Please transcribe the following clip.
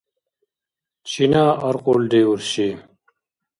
Чина аркьулри, урши?